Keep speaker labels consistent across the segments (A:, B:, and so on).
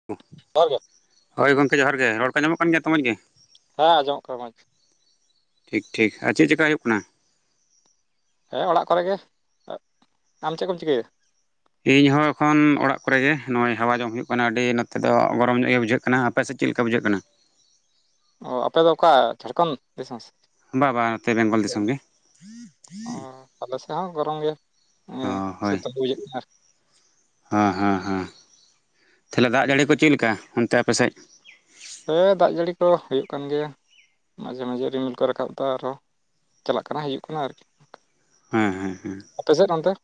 A: [unintelligible] ᱦᱮ
B: ᱡᱚᱦᱟᱨ ᱜᱮ
A: ᱦᱳᱭ ᱜᱚᱝᱠᱮ ᱡᱚᱦᱟᱨ ᱜᱮ ᱨᱚᱲ ᱠᱚ ᱧᱟᱢᱚᱜ ᱠᱟᱱ ᱜᱮᱭᱟ ᱛᱚᱢᱚᱡᱽ ᱜᱮ?
B: ᱦᱮᱸ ᱟᱸᱚᱢᱚᱜ ᱠᱟᱱᱟ ᱢᱚᱡᱽ
A: ᱴᱷᱤᱠ ᱴᱷᱤᱠ ᱟᱨ ᱪᱮᱫ ᱪᱮᱠᱟ ᱦᱩᱭᱩᱜ ᱠᱟᱱᱟ?
B: ᱦᱮᱸ ᱚᱲᱟᱜ ᱠᱚᱨᱮ ᱜᱮ ᱟᱢ ᱪᱮᱫ ᱠᱚᱢ ᱪᱤᱠᱟᱹᱭᱟ?
A: ᱤᱧ ᱦᱚᱸ ᱮᱠᱷᱚᱱ ᱚᱲᱟᱜ ᱠᱚᱨᱮ ᱜᱮ ᱱᱚᱜᱼᱚᱭ ᱦᱟᱣᱟ ᱡᱚᱝ ᱦᱩᱭᱩᱜ ᱠᱟᱱᱟ ᱟᱹᱰᱤ ᱱᱚᱛᱮ ᱫᱚ ᱜᱚᱨᱚᱢ ᱧᱚᱜ ᱜᱮ ᱵᱩᱡᱷᱟᱹᱜ ᱠᱟᱱᱟ ᱟᱯᱮ ᱥᱮᱫ ᱪᱮᱫ ᱞᱮᱠᱟ ᱵᱩᱡᱷᱟᱹᱜ ᱠᱟᱱᱟ
B: ᱚ ᱟᱯᱮ ᱫᱚ ᱚᱠᱟ ᱡᱷᱟᱲᱠᱷᱚᱸᱰ ᱫᱤᱥᱚᱢ
A: ᱵᱟ ᱵᱟ ᱱᱚᱛᱮ ᱵᱮᱝᱜᱚᱞ ᱫᱤᱥᱚᱢ ᱜᱮ
B: ᱚᱻ ᱟᱞᱮ ᱥᱮᱫ ᱦᱚᱸ ᱜᱚᱨᱚᱢ ᱜᱮ
A: ᱚ ᱦᱳᱭ
B: ᱥᱮᱛᱳᱝ ᱵᱩᱡᱷᱟᱹᱜ ᱠᱟᱱᱟ
A: ᱦᱮᱸ ᱦᱮᱸ ᱦᱮᱸ ᱛᱟᱦᱚᱞᱮ ᱫᱟᱜ ᱡᱟᱹᱲᱤ ᱠᱚ ᱪᱮᱫ ᱞᱮᱠᱟ ᱚᱱᱛᱮ ᱟᱯᱮᱥᱮᱫ?
B: ᱦᱮᱸ ᱫᱟᱜ ᱡᱟᱹᱲᱤ ᱠᱚ ᱦᱩᱭᱩᱜ ᱠᱟᱱ ᱜᱮᱭᱟ᱾ ᱢᱟᱡᱷᱮ ᱢᱟᱡᱷᱮ ᱨᱤᱢᱤᱞ ᱠᱚ ᱨᱟᱠᱟᱵ ᱫᱟ ᱟᱨᱦᱚᱸ ᱪᱟᱞᱟᱜ ᱠᱟᱱᱟ ᱦᱤᱡᱩᱜ ᱠᱟᱱᱟ ᱟᱨᱠᱤ,
A: ᱦᱮᱸ ᱦᱮᱸ ᱦᱮᱸ
B: ᱟᱯᱮᱥᱮᱫ ᱚᱱᱛᱮ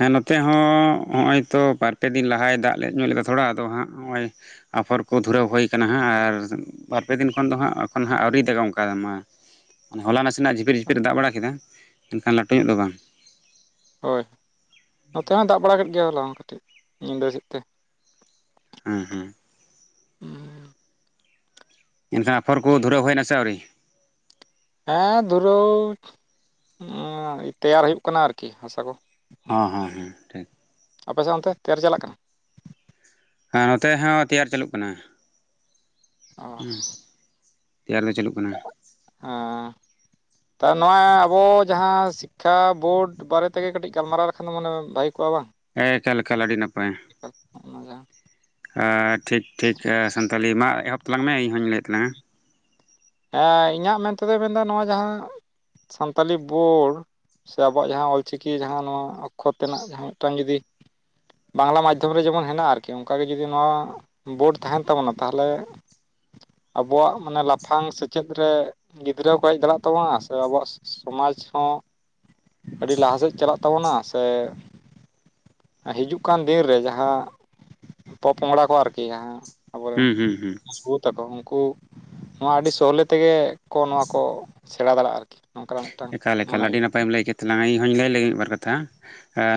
A: ᱦᱮᱸ ᱱᱚᱛᱮ ᱦᱚᱸ ᱱᱚᱜᱼᱚᱭ ᱛᱚ ᱵᱟᱨᱯᱮ ᱫᱤᱱ ᱞᱟᱦᱟᱭ ᱫᱟᱜ ᱞᱮ ᱧᱚᱜ ᱞᱮᱫᱟ ᱛᱷᱚᱲᱟ ᱟᱫᱚ ᱦᱟᱸᱜ ᱱᱚᱜᱚᱭ ᱟᱯᱷᱚᱨ ᱠᱚ ᱫᱷᱩᱨᱟᱹᱣ ᱦᱩᱭᱩ ᱟᱠᱟᱱᱟ ᱦᱟᱸᱜ ᱟᱨ ᱵᱟᱨ ᱯᱮ ᱫᱤᱱ ᱠᱷᱚᱱ ᱫᱚ ᱦᱟᱸᱜ ᱟᱹᱣᱨᱤ ᱫᱟᱜᱟ ᱚᱱᱠᱟ ᱢᱟ ᱦᱚᱞᱟ ᱱᱟᱥᱮ ᱱᱟᱜ ᱡᱷᱤᱯᱤᱨ ᱡᱷᱤᱯᱤᱨ ᱫᱟᱜ ᱵᱟᱲᱟ ᱠᱮᱫᱟ ᱮᱱᱠᱷᱟᱱ ᱞᱟᱹᱴᱩ ᱧᱚᱜ ᱫᱚ ᱵᱟᱝ᱾
B: ᱦᱳᱭ ᱱᱚᱛᱮ ᱦᱚᱸᱭ ᱫᱟᱜ ᱵᱟᱲᱟ ᱠᱮᱫ ᱜᱮᱭᱟ ᱦᱚᱞᱟ ᱦᱚᱸ ᱠᱟᱹᱴᱤᱡ ᱧᱤᱫᱟᱹ ᱥᱮᱫ ᱛᱮ
A: ᱦᱮᱸ ᱦᱮᱸ ᱮᱱᱠᱷᱟᱱ ᱟᱯᱷᱚᱨ ᱠᱚ ᱫᱷᱩᱨᱟᱹ ᱦᱩᱭᱮᱱᱟ ᱥᱮ ᱟᱹᱣᱨᱤ
B: ᱦᱮᱸ ᱫᱷᱩᱨᱟᱹᱣ ᱛᱮᱭᱟᱨ ᱦᱩᱭᱩᱜ ᱠᱟᱱᱟ ᱟᱨᱠᱤ ᱦᱟᱥᱟ ᱠᱚ᱾
A: ᱦᱮᱸ ᱦᱮᱸ ᱦᱮᱸ ᱴᱷᱤᱠ
B: ᱟᱯᱮᱥᱮᱫ ᱚᱱᱛᱮ ᱛᱮᱨ ᱪᱟᱞᱟᱜ ᱠᱟᱱᱟ?
A: ᱟᱨ ᱱᱚᱛᱮ ᱦᱚᱸ ᱛᱮᱭᱟᱨ ᱪᱟᱹᱞᱩᱜ ᱠᱟᱱᱟ᱾
B: ᱚ
A: ᱦᱩᱸ ᱛᱮᱭᱟᱨ ᱫᱚ ᱪᱟᱹᱞᱩᱜ ᱠᱟᱱᱟ᱾
B: ᱦᱮᱸ ᱛᱚ ᱱᱚᱣᱟ ᱟᱵᱚ ᱡᱟᱦᱟᱸ ᱥᱤᱠᱠᱷᱟ ᱵᱳᱨᱰ ᱵᱟᱨᱮ ᱛᱮᱜᱮ ᱠᱟᱹᱴᱤᱡ ᱜᱟᱞᱢᱟᱨᱟᱣ ᱞᱮᱠᱷᱟᱱ ᱫᱚ ᱢᱚᱱᱮ ᱵᱷᱟᱹᱜᱤ ᱠᱚᱜᱼᱟ ᱵᱟᱝ?
A: ᱮᱸ ᱮᱠᱟᱞᱮᱠᱟᱞ ᱟᱹᱰᱤ ᱱᱟᱯᱟᱭ ᱟ ᱴᱷᱤᱠ ᱴᱷᱤᱠ ᱥᱟᱱᱛᱟᱞᱤ ᱢᱟ ᱮᱦᱚᱵ ᱛᱟᱞᱟᱝ ᱢᱮ ᱤᱧᱦᱚᱧ ᱞᱟᱹᱭᱮᱫ ᱛᱟᱞᱟᱝᱼᱟ᱾
B: ᱦᱮᱸ ᱤᱧᱟᱹᱜ ᱢᱮᱱᱛᱮᱫᱚᱧ ᱢᱮᱱᱫᱟ ᱱᱚᱣᱟ ᱡᱟᱦᱟᱸ ᱥᱟᱱᱛᱟᱞᱤ ᱵᱳᱨᱲ ᱥᱮ ᱟᱵᱚᱣᱟᱜ ᱡᱟᱦᱟᱸ ᱚᱞ ᱪᱤᱠᱤ ᱡᱟᱦᱟᱸ ᱱᱚᱣᱟ ᱚᱠᱠᱷᱚᱛ ᱨᱮᱱᱟᱜ ᱡᱟᱦᱟᱸ ᱢᱤᱫᱴᱟᱝ ᱡᱩᱫᱤ ᱵᱟᱝᱜᱽᱞᱟ ᱢᱟᱫᱽᱫᱷᱚᱢ ᱨᱮ ᱡᱮᱢᱚᱱ ᱦᱮᱱᱟᱜᱼᱟ ᱟᱨᱠᱤ ᱚᱱᱠᱟᱜ ᱜᱮ ᱡᱩᱫᱤ ᱱᱚᱣᱟ ᱵᱳᱨᱰ ᱛᱟᱦᱮᱱ ᱛᱟᱵᱚᱱᱟ ᱛᱟᱦᱚᱞᱮ ᱟᱵᱚᱣᱟᱜ ᱢᱟᱱᱮ ᱞᱟᱯ ᱞᱟᱯᱷᱟᱝ ᱥᱮᱪᱮᱫ ᱨᱮ ᱜᱤᱫᱽᱨᱟᱹ ᱠᱚ ᱦᱮᱡ ᱫᱟᱲᱮᱭᱟᱜ ᱛᱟᱵᱚᱱᱟ ᱥᱮ ᱟᱵᱚᱣᱟᱜ ᱥᱚᱢᱟᱡᱽ ᱦᱚᱸ ᱟᱹᱰᱤ ᱞᱟᱦᱟ ᱥᱮᱫ ᱪᱟᱞᱟᱜ ᱛᱟᱵᱚᱱᱟ ᱥᱮ ᱦᱤᱡᱩᱜ ᱠᱟᱱ ᱫᱤᱱ ᱨᱮ ᱡᱟᱦᱟᱸ ᱯᱚᱼᱯᱚᱝᱲᱟ ᱠᱚ ᱟᱨᱠᱤ ᱡᱟᱦᱟᱸ ᱟᱵᱚᱨᱮᱱ
A: ᱦᱩᱸ ᱦᱩᱸ ᱦᱩᱸ
B: ᱵᱩ ᱛᱟᱠᱚ ᱩᱱᱠᱩ ᱱᱚᱣᱟ ᱟᱹᱰᱤ ᱥᱚᱦᱞᱮ ᱛᱮᱜᱮ ᱠᱚ ᱱᱚᱣᱟ ᱠᱚ ᱥᱮᱬᱟ ᱫᱟᱲᱮᱭᱟᱜᱼᱟ ᱟᱨᱠᱤ ᱱᱚᱝᱠᱟᱱᱟᱜ ᱢᱤᱫᱴᱟᱝ
A: ᱮᱠᱟᱞᱮᱠᱟ
B: ᱢᱚᱱᱮ
A: ᱟᱹᱰᱤ
B: ᱦᱩᱭᱩᱜ
A: ᱱᱟᱯᱟᱭᱢ ᱞᱟᱹᱭ ᱠᱮᱫ ᱛᱟᱞᱟᱝᱟ ᱤᱧᱦᱚᱧ ᱞᱟᱹᱭ ᱞᱮᱜᱮ ᱢᱤᱫᱵᱟᱨ ᱠᱟᱛᱷᱟ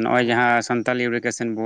A: ᱱᱚᱜᱼᱚᱭ
B: ᱠᱟᱱᱟ
A: ᱡᱟᱦᱟᱸ ᱥᱟᱱ ᱛᱟᱞ [unintelligible] ᱮᱥᱚᱱ ᱵᱚ